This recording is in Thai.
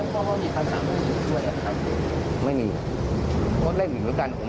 ก็ได้พลังเท่าไหร่ครับ